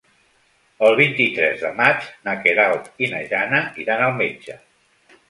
El vint-i-tres de maig na Queralt i na Jana iran al metge.